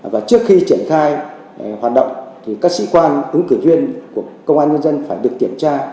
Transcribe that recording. và trước khi triển khai hoạt động thì các sĩ quan ứng cử viên của công an nhân dân